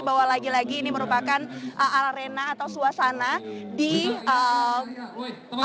bahwa lagi lagi ini merupakan arena atau suasana di